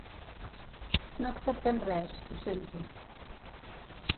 No acceptem res, ho sento.